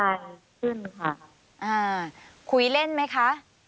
อ่าคุยเล่นไหมคะ